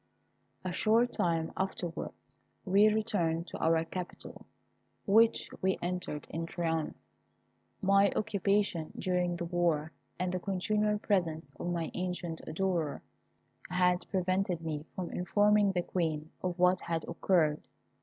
A short time afterwards we returned to our capital, which we entered in triumph. My occupation during the war, and the continual presence of my ancient adorer, had prevented me from informing the Queen of what had occurred.